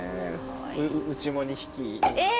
うちも２匹。え！